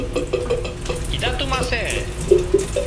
Ида тумасе!